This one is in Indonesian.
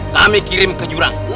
kami kirim ke jurang